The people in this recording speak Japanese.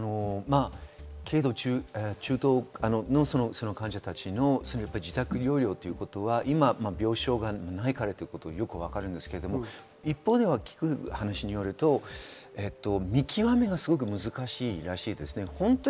軽度・中等症の患者たちの自宅療養ということは今、病床がないからというの分かるんですが、一方、聞く話によると、見極めが難しいらしいですね。